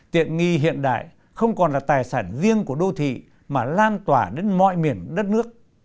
tiện nghi hiện đại không còn là tài sản riêng của đô thị mà lan tỏa đến mọi miền đất nước